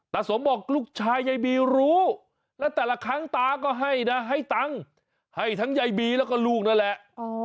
สมบอกลูกชายยายบีรู้และแต่ละครั้งตาก็ให้นะให้ตังค์ให้ทั้งยายบีแล้วก็ลูกนั่นแหละ